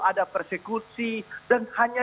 ada persekusi dan hanya